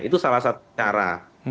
itu salah satu cara